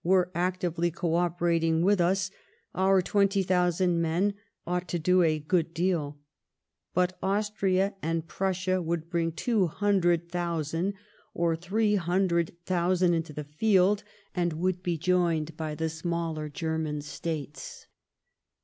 were actirely co operating with ns, our twenty thousand men on^ht to do a good deal ; but Austria and Prussia would bring two hundred thousand or three hundred thousand into the field, and would be joined by the smaller German States.